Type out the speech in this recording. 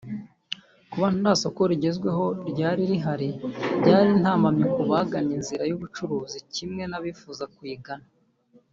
Kuba nta soko rigezweho ryari rihari byari intambamyi ku bagannye inzira y’ubucuruzi kimwe n’abifuzaga kuyigana